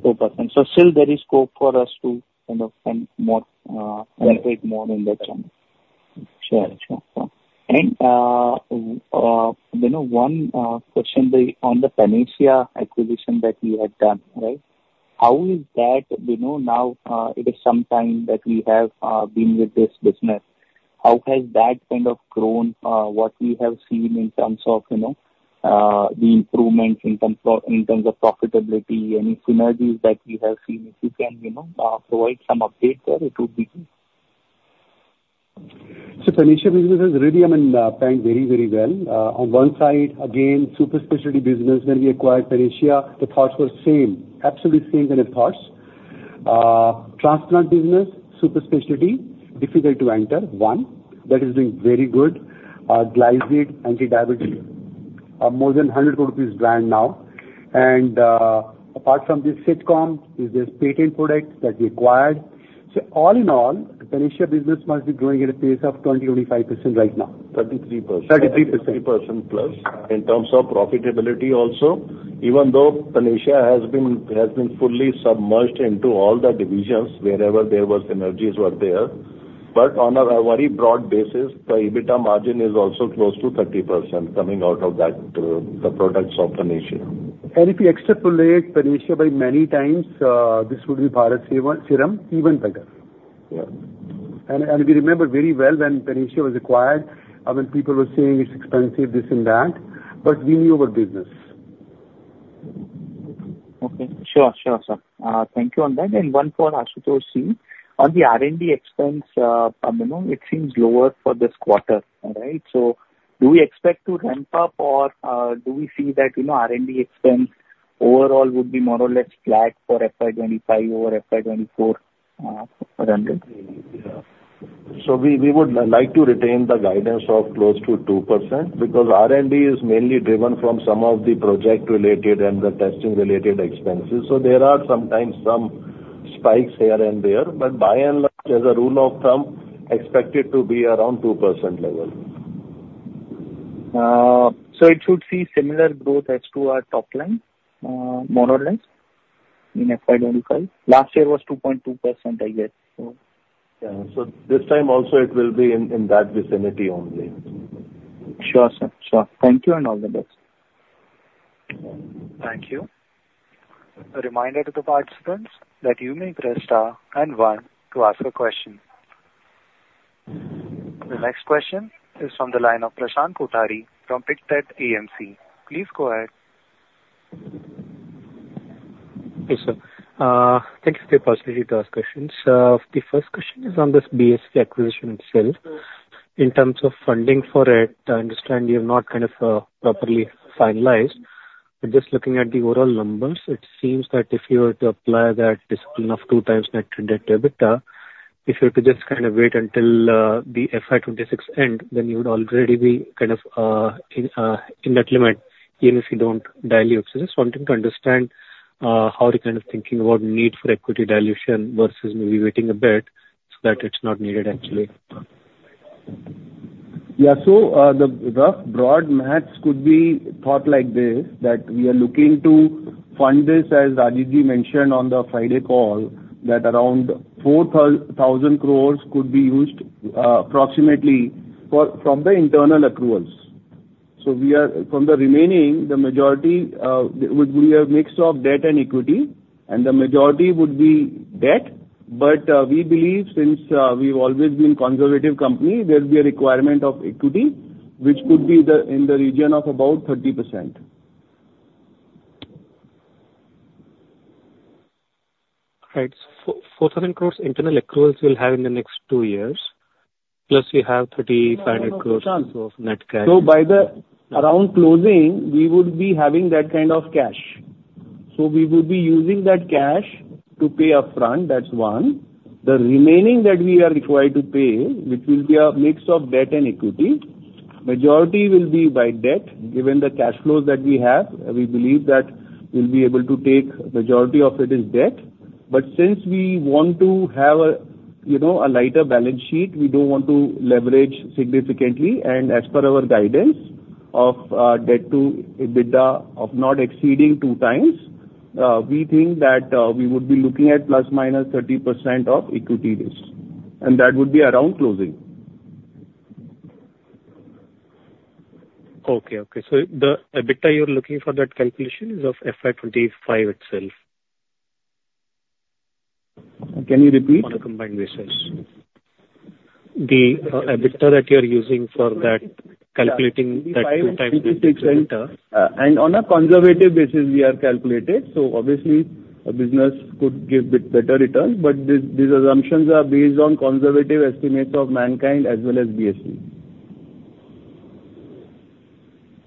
4%. So still there is scope for us to kind of spend more, integrate more in that channel. Sure, sure. And, you know, one question on the Panacea acquisition that we had done, right? How is that, you know, now, it is some time that we have been with this business. How has that kind of grown? What we have seen in terms of, you know, the improvements in terms of, in terms of profitability, any synergies that we have seen, if you can, you know, provide some update there, it would be good. So Panacea business is really, I mean, planned very, very well. On one side, again, super specialty business. When we acquired Panacea, the thoughts were same, absolutely same kind of thoughts. Transplant business, super specialty, difficult to enter, one, that is doing very good. Gliclazide, anti-diabetes, are more than 100 rupees brand now. And, apart from this, Sitcom, is this patent product that we acquired. So all in all, Panacea business must be growing at a pace of 20-25% right now. Thirty-three percent. Thirty-three percent. 30%+. In terms of profitability also, even though Panacea has been fully submerged into all the divisions wherever there was synergies were there. But on a very broad basis, the EBITDA margin is also close to 30% coming out of that, the products of Panacea. If you extrapolate Panacea by many times, this would be Bharat Serum, even better. Yeah. And we remember very well when Panacea was acquired, I mean, people were saying it's expensive, this and that, but we knew our business. Okay. Sure, sure, sir. Thank you on that. And one for Ashutoshji. On the R&D expense, you know, it seems lower for this quarter, right? So do we expect to ramp up, or, do we see that, you know, R&D expense overall would be more or less flat for FY 2025 over FY 2024, randomly? Yeah. So we would like to retain the guidance of close to 2%, because R&D is mainly driven from some of the project-related and the testing-related expenses. So there are some times some spikes here and there, but by and large, as a rule of thumb, expect it to be around 2% level. So it should see similar growth as to our top line, more or less, in FY 25. Last year was 2.2%, I guess, so. Yeah, so this time also it will be in, in that vicinity only. Sure, sir. Sure. Thank you, and all the best. Thank you. A reminder to the participants that you may press star and one to ask a question. The next question is from the line of Prashant Kothari from Pictet Asset Management. Please go ahead. Hey, sir. Thank you for the opportunity to ask questions. The first question is on this BSV acquisition itself. In terms of funding for it, I understand you have not kind of properly finalized. But just looking at the overall numbers, it seems that if you were to apply that discipline of 2x net debt to EBITDA, if you were to just kind of wait until the FY 2026 end, then you would already be kind of in that limit, even if you don't dilute. So just wanting to understand how you're kind of thinking about need for equity dilution versus maybe waiting a bit so that it's not needed actually? Yeah. So, the broad maths could be thought like this, that we are looking to fund this, as Rajeevji mentioned on the Friday call, that around 4,000 crore could be used, approximately for, from the internal accruals. So we are... From the remaining, the majority, would be a mix of debt and equity, and the majority would be debt. But, we believe, since, we've always been conservative company, there will be a requirement of equity, which could be the, in the region of about 30%. Right. 4,000 crore internal accruals we'll have in the next two years, plus you have 3,500 crore of net cash. So by around closing, we would be having that kind of cash. So we would be using that cash to pay upfront, that's one. The remaining that we are required to pay, which will be a mix of debt and equity, majority will be by debt. Given the cash flows that we have, we believe that we'll be able to take majority of it as debt. But since we want to have a, you know, a lighter balance sheet, we don't want to leverage significantly. And as per our guidance of debt to EBITDA of not exceeding 2x, we think that we would be looking at ±30% of equity risk, and that would be around closing. Okay, okay. So the EBITDA you're looking for that calculation is of FY 2025 itself? Can you repeat? On a combined basis. The EBITDA that you're using for that calculating that two times- On a conservative basis, we have calculated, so obviously a business could give a bit better returns, but these, these assumptions are based on conservative estimates of Mankind as well as BSV.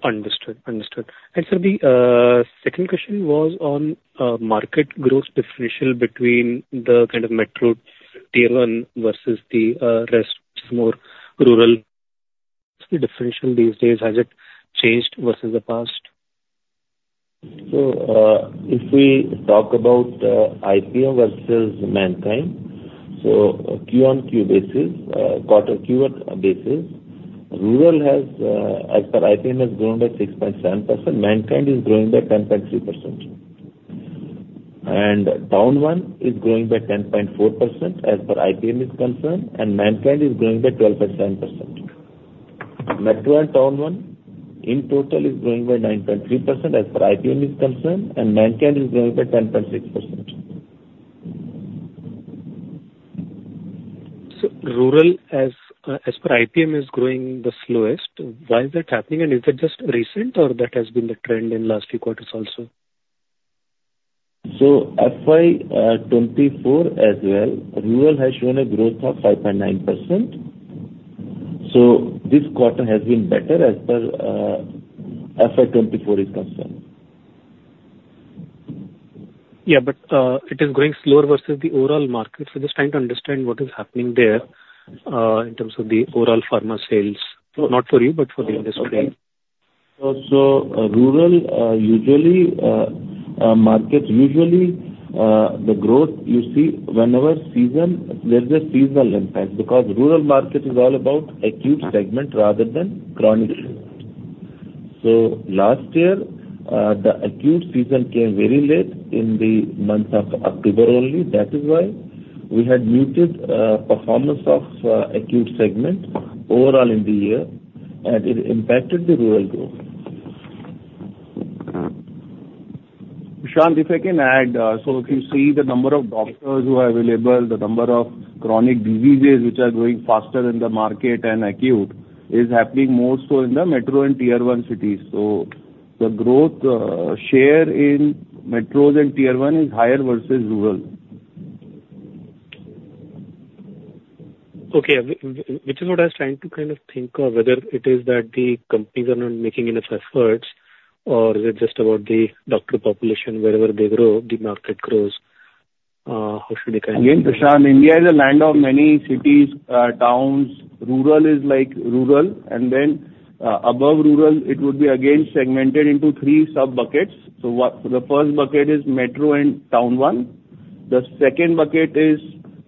Understood. Understood. And so the second question was on market growth differential between the kind of metro Tier-1 versus the rest, more rural. What's the differential these days? Has it changed versus the past? So, if we talk about, IPM versus Mankind, so Q on Q basis, quarter Q basis, rural has, as per IPM, has grown by 6.7%. Mankind is growing by 10.3%. And Town 1 is growing by 10.4%, as per IPM is concerned, and Mankind is growing by 12.7%. Metro and Town 1, in total, is growing by 9.3%, as per IPM is concerned, and Mankind is growing by 10.6%. So rural, as per IPM, is growing the slowest. Why is that happening? And is it just recent or that has been the trend in last few quarters also? So FY 2024 as well, rural has shown a growth of 5.9%. So this quarter has been better as per FY 2024 is concerned. Yeah, but, it is growing slower versus the overall market. So just trying to understand what is happening there, in terms of the overall pharma sales. Not for you, but for the industry. Okay. So rural markets usually—the growth you see whenever season, there's a seasonal impact, because rural market is all about acute segment rather than chronic. So last year, the acute season came very late in the month of October only. That is why we had muted performance of acute segment overall in the year, and it impacted the rural growth. Prashant, if I can add, so if you see the number of doctors who are available, the number of chronic diseases which are growing faster than the market and acute, is happening more so in the metro and Tier-1 cities. So the growth share in metros and Tier-1 is higher versus rural. Okay. Which is what I was trying to kind of think of, whether it is that the companies are not making enough efforts, or is it just about the doctor population, wherever they grow, the market grows? How should I kind of- Again, Prashant, India is a land of many cities, towns. Rural is like rural, and then, above rural, it would be again segmented into three sub-buckets. So what... The first bucket is Metro and Town 1. The second bucket is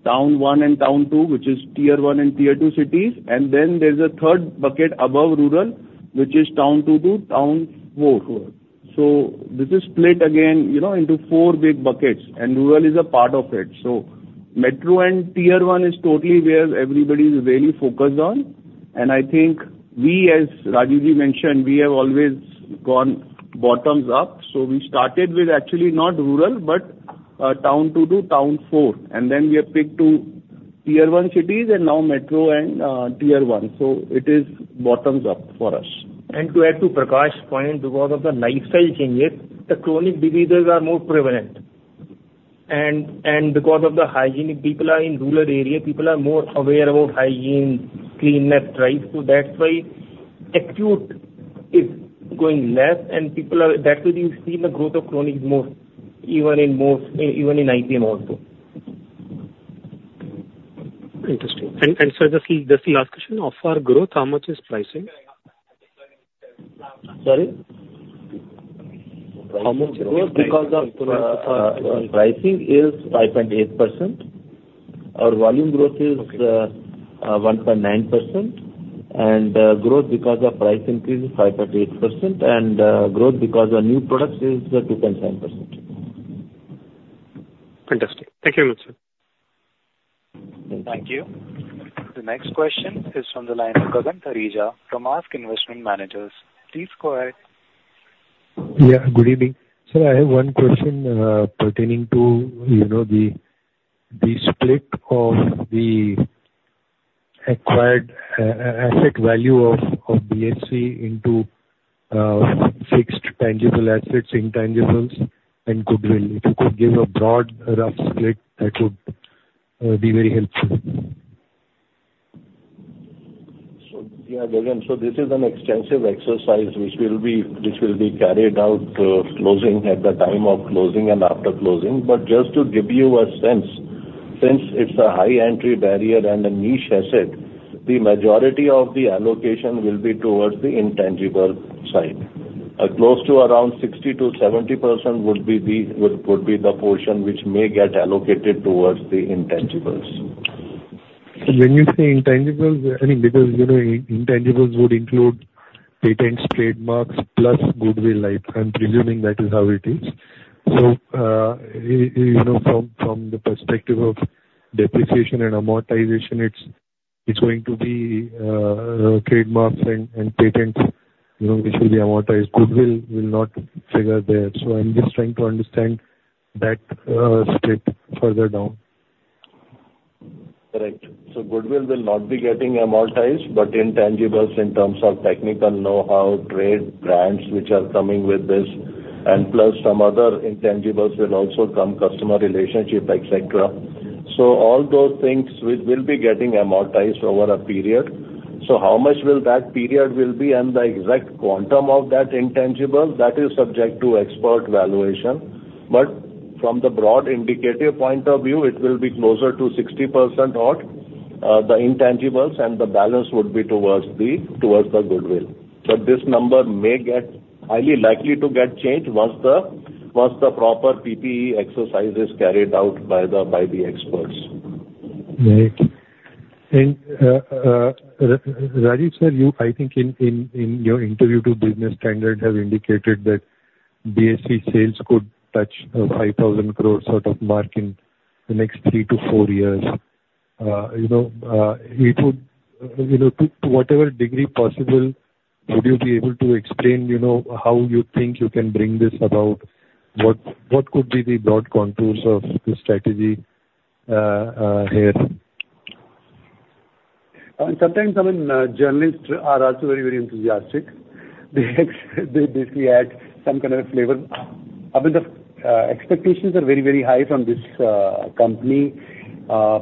Town 1 and Town 2, which is Tier 1 and Tier 2 cities. And then there's a third bucket above rural, which is Town 2 to Town 4. So this is split again, you know, into four big buckets, and rural is a part of it. So Metro and Tier 1 is totally where everybody is really focused on. And I think we, as Rajeevji mentioned, we have always gone bottoms up. So we started with actually not rural, but, Town 2 to Town 4, and then we have picked to Tier 1 cities and now Metro and, Tier 1. So it is bottom-up for us. And to add to Prakash's point, because of the lifestyle changes, the chronic diseases are more prevalent. And because of the hygiene, people in rural area, people are more aware about hygiene, cleanliness, right? So that's why acute is growing less, and people are-- That is you've seen the growth of chronic more, even in more, even in IPM also. Interesting. Sir, just the last question: Of our growth, how much is pricing? Sorry? How much growth because of? Pricing is 5.8%. Our volume growth is 1.9%. And growth because of price increase is 5.8%, and growth because of new products is 2.7%. Fantastic. Thank you very much, sir. Thank you. The next question is from the line of Gagan Thareja from ASK Investment Managers. Please go ahead. Yeah, good evening. Sir, I have one question, pertaining to, you know, the split of the acquired asset value of BSV into fixed tangible assets, intangibles and goodwill. If you could give a broad, rough split, that would be very helpful. So, yeah, Gagan, so this is an extensive exercise which will be carried out at the time of closing and after closing. But just to give you a sense, since it's a high entry barrier and a niche asset, the majority of the allocation will be towards the intangible side. Close to around 60%-70% would be the portion which may get allocated towards the intangibles. So when you say intangibles, I mean, because, you know, intangibles would include patents, trademarks, plus goodwill, like, I'm presuming that is how it is. So, you know, from, from the perspective of depreciation and amortization, it's, it's going to be, trademarks and, and patents, you know, which will be amortized. Goodwill will not figure there. So I'm just trying to understand that, step further down. Correct. So goodwill will not be getting amortized, but intangibles in terms of technical know-how, trade, brands which are coming with this, and plus some other intangibles will also come, customer relationship, et cetera. So all those things will be getting amortized over a period. So how much will that period be, and the exact quantum of that intangible, that is subject to expert valuation. But from the broad indicative point of view, it will be closer to 60% odd, the intangibles, and the balance would be towards the goodwill. But this number may get highly likely to get changed once the proper PPE exercise is carried out by the experts. Right. Rajeev sir, you, I think in, in, in your interview to Business Standard have indicated that BSV sales could touch 5,000 crore sort of mark in the next three to four years. You know, it would... You know, to, to whatever degree possible, would you be able to explain, you know, how you think you can bring this about? What, what could be the broad contours of the strategy, here? Sometimes, I mean, journalists are also very, very enthusiastic. They, they basically add some kind of flavor. I mean, the expectations are very, very high from this company. I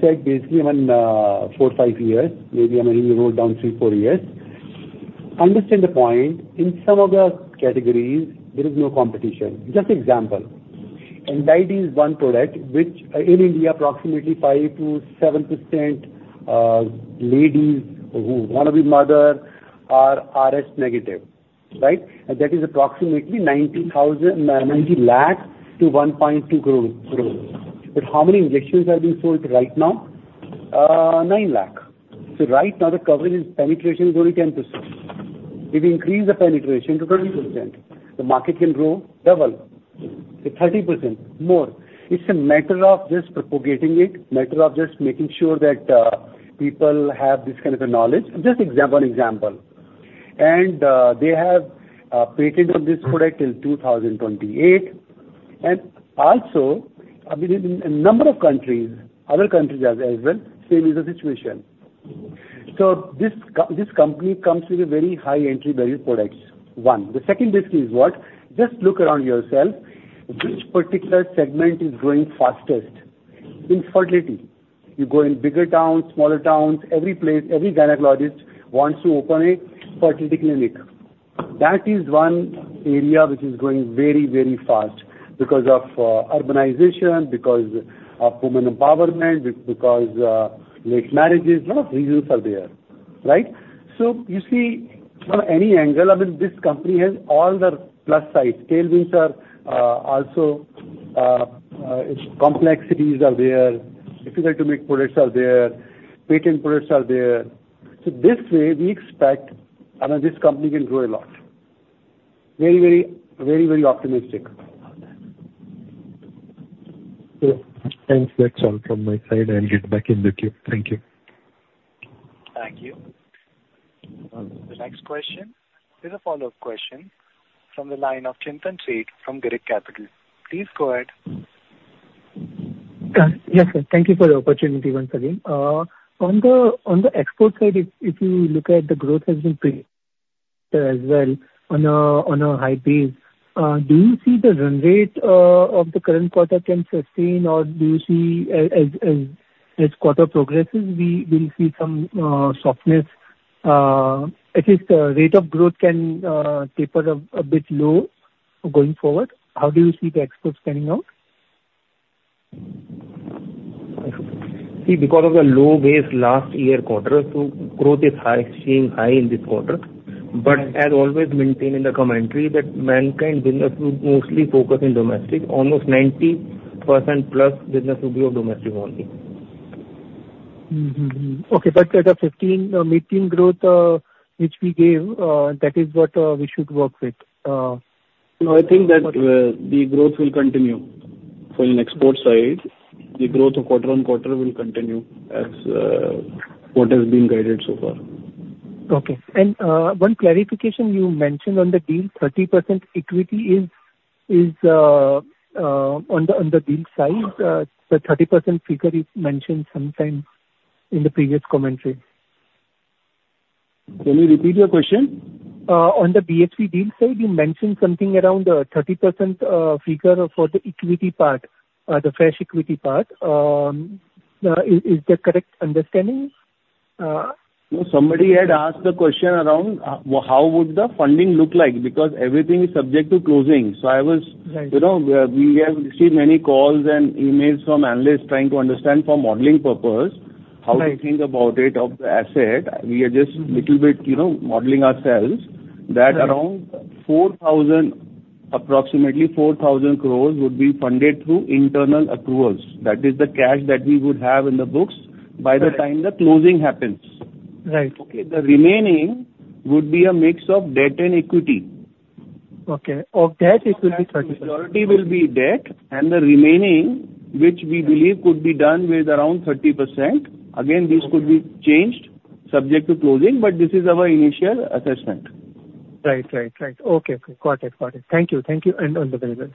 said basically even 4, 5 years, maybe I mean even down 3, 4 years. Understand the point, in some of the categories, there is no competition. Just example, and is one product which, in India, approximately 5%-7% ladies who want to be mother are Rh negative, right? And that is approximately 90 lakh to 1.2 crore. But how many injections are being sold right now? 9 lakh. So right now, the coverage, penetration is only 10%. If we increase the penetration to 20%, the market can grow double to 30% more. It's a matter of just propagating it, a matter of just making sure that people have this kind of a knowledge. Just an example. And they have a patent on this product till 2028. And also, I mean, in a number of countries, other countries as well, same is the situation. So this company comes with very high entry value products, one. The second basically is what? Just look around yourself, which particular segment is growing fastest? Infertility. You go in bigger towns, smaller towns, every place, every gynecologist wants to open a fertility clinic. That is one area which is growing very, very fast because of urbanization, because of women empowerment, because of late marriages. A lot of reasons are there, right? So you see, from any angle, I mean, this company has all the plus side. Scale wins are also its complexities are there, difficult to make products are there, patent products are there. So this way, we expect, I know this company can grow a lot. Very, very, very, very optimistic about that. So thanks. That's all from my side. I'll get back in with you. Thank you. Thank you. The next question is a follow-up question from the line of Chintan Sheth from Girik Capital. Please go ahead. Yes, sir. Thank you for the opportunity once again. On the export side, if you look at the growth has been pretty as well on a high base, do you see the run rate of the current quarter can sustain? Or do you see as quarter progresses, we will see some softness, at least the rate of growth can taper a bit low going forward? How do you see the exports panning out? See, because of the low base last year quarter, so growth is high, staying high in this quarter. But as always maintained in the commentary, that Mankind business will mostly focus in domestic. Almost 90% plus business will be of domestic only. Mm-hmm, mm-hmm. Okay, but at a 15, mid-teen growth, which we gave, that is what, we should work with. No, I think that the growth will continue. For in export side, the growth quarter-on-quarter will continue, as what has been guided so far. Okay. And, one clarification you mentioned on the deal, 30% equity is, is, on the, on the deal side, the 30% figure is mentioned sometimes in the previous commentary. Can you repeat your question? On the BSV deal side, you mentioned something around 30% figure for the equity part, the fresh equity part. Is that correct understanding? No, somebody had asked the question around, how would the funding look like? Because everything is subject to closing. So I was- Right. You know, we, we have received many calls and emails from analysts trying to understand for modeling purpose... Right. how to think about it of the asset. We are just little bit, you know, modeling ourselves. Right. That around 4,000 crore, approximately 4,000 crore would be funded through internal accruals. That is the cash that we would have in the books- Right... by the time the closing happens. Right. Okay, the remaining would be a mix of debt and equity. Okay. Of debt, it will be 30%. Majority will be debt, and the remaining, which we believe could be done with around 30%. Okay. Again, this could be changed subject to closing, but this is our initial assessment. Right, right, right. Okay, cool. Got it, got it. Thank you, thank you, and on the benefits.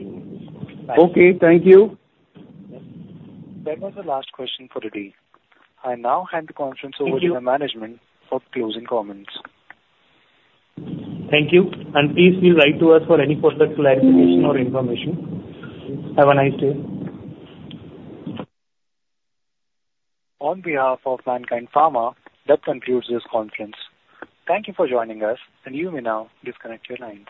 Okay, thank you. That was the last question for the day. I now hand the conference over to the management for closing comments. Thank you, and please, feel free to write to us for any further clarification or information. Have a nice day. On behalf of Mankind Pharma, that concludes this conference. Thank you for joining us, and you may now disconnect your lines.